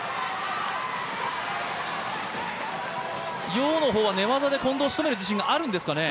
楊の方は寝技で近藤をしとめる自信があるんですかね？